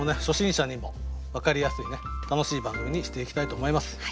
初心者にも分かりやすいね楽しい番組にしていきたいと思います。